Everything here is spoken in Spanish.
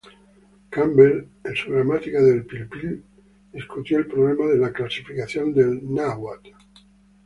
Campbell en su gramática del Pipil discutió el problema de la clasificación del náhuat.